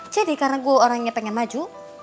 jadi karena gue orangnya pengen maju